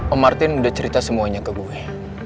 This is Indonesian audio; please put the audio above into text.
om martin udah cerita semuanya ke gue